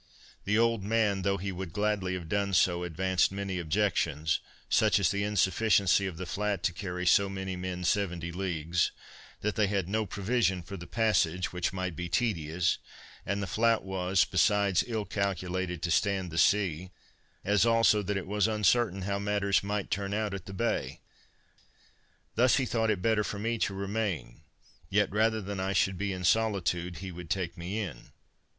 The old man, though he would gladly have done so, advanced many objections, such as the insufficiency of the flat to carry so many men seventy leagues; that they had no provision for the passage, which might be tedious, and the flat was, besides ill calculated to stand the sea; as also, that it was uncertain how matters might turn out at the Bay; thus he thought it better for me to remain; yet rather than I should be in solitude, he would take me in.